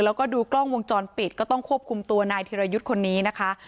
แล้วก็ดูกล้องวงจรปิดก็ต้องควบคุมตัวนายธิรยุทธ์คนนี้นะคะ